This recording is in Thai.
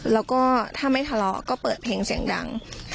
แล้วก็ถ้าไม่ทะเลาะก็เปิดเพลงเสียงดัง